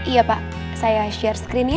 iya pak saya share screen ya